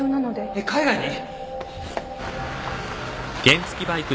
えっ海外に？